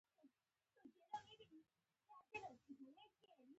ستالین ته د دوستانو او دښمنانو په اړه راټول کړي.